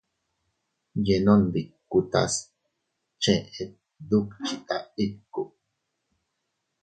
Yenondikutas chet dukchita ikku.